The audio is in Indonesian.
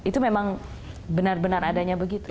itu memang benar benar adanya begitu